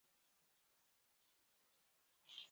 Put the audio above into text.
饭店可享免费停车